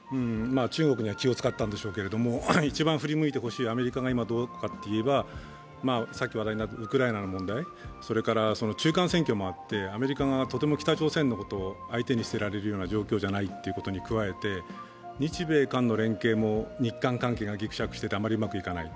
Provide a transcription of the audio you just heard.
中国に気を使ったんでしょうけれども、一番振り向いてほしいアメリカが今どうかというと、ウクライナの問題、それから中間選挙もあってアメリカがとても北朝鮮のことを相手にしていられるような状況じゃないということに加えて日米韓の関係も日韓関係がぎくしゃくしててあまりうまくいかない。